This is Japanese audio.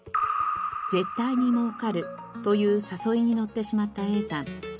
「絶対にもうかる」という誘いに乗ってしまったＡさん。